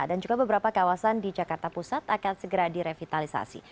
dan juga beberapa kawasan di jakarta pusat akan segera direvitalisasi